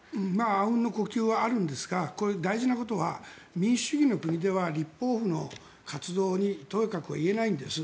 あうんの呼吸はあるんですがこれ、大事なことは民主主義の国では立法府の活動にとやかく言えないんです。